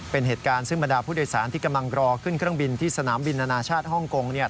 เป็นเหตุการณ์ซึ่งบรรดาผู้โดยสารที่กำลังรอขึ้นเครื่องบินที่สนามบินอนาชาติฮ่องกงเนี่ย